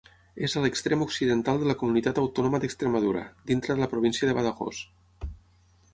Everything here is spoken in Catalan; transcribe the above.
És a l'extrem occidental de la Comunitat Autònoma d'Extremadura, dintre de la província de Badajoz.